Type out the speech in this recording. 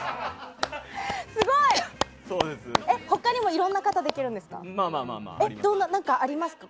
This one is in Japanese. すごい。他にもいろんな方できますか？